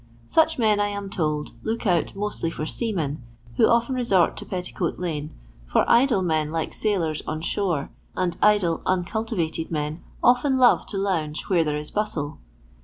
Such men, I am told, look out mostly for seamen, who often resort to Petticoat lane; for idle men like sailors on shore, and idle uncul tivated men often love to lounge where there is bustle.